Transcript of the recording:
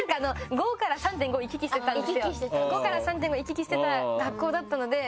５から３．５を行き来してた学校だったので。